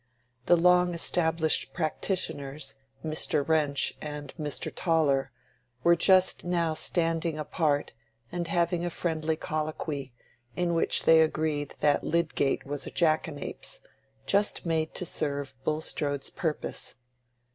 The long established practitioners, Mr. Wrench and Mr. Toller; were just now standing apart and having a friendly colloquy, in which they agreed that Lydgate was a jackanapes, just made to serve Bulstrode's purpose.